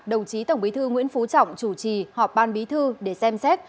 đồng chí tổng bí thư nguyễn phú trọng chủ trì họp ban bí thư để xem xét